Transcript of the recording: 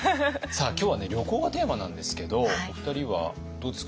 今日は旅行がテーマなんですけどお二人はどうですか？